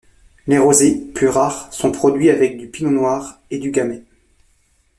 Les rosés, plus rare, sont produits avec du pinot noir et du gamay.